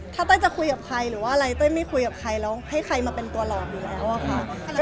ถ้าเต้ยจะคุยกับใครหรือว่าอะไรเต้ยไม่คุยกับใครแล้วให้ใครมาเป็นตัวหลอกอยู่แล้วอะค่ะ